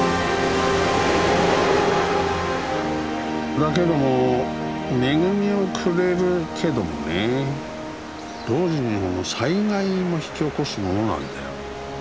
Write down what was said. だけども恵みをくれるけどもね同時に災害も引き起こすものなんだよ。